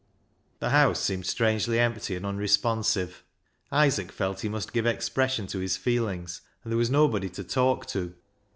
The house seemed strangely empty and unre sponsive. Isaac felt he must give expression to his feelings, and there was nobody to talk to.